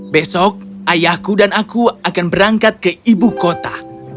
besok ayahku dan aku akan berangkat ke ibu kota